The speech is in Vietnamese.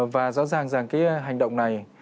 và rõ ràng rằng cái hành động này